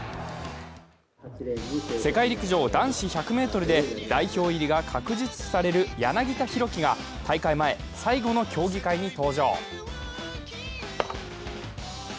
世界陸上男子１００ｍで代表入りが確実視される柳田大輝が大会前最後の競技会に登場。